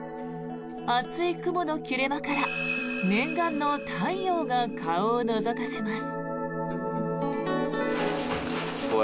厚い雲の切れ間から念願の太陽が顔をのぞかせます。